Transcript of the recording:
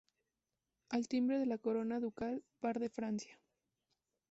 Al timbre la corona ducal par de Francia.